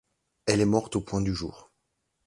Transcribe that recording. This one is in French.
Elle est morte au point du jour.